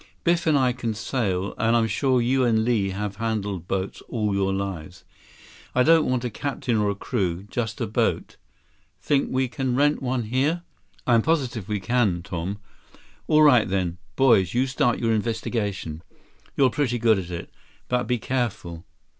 Biff and I can sail, and I'm sure you and Li have handled boats all your lives. I don't want a captain or a crew. Just a boat. Think we can rent one here?" "I'm positive we can, Tom." "All right then. Boys, you start your investigation. You're pretty good at it. But be careful.